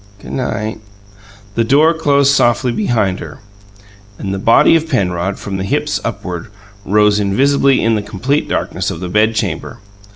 "G' night!" The door closed softly behind her, and the body of Penrod, from the hips upward, rose invisibly in the complete darkness of the bedchamber.